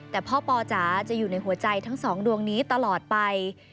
แต่พ่อปอจ๋าจะอยู่ในหัวใจทั้งสองดวงนี้ตลอดไป